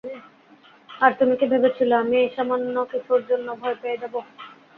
আর তুমি কি ভেবেছিলে আমি এই সামান্য কিছুর জন্য ভয় পেয়ে যাব?